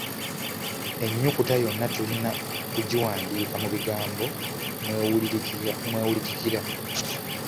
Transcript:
Ennyukuta yonna tulina kugiwandiika mu bigambo mw’ewulikikira.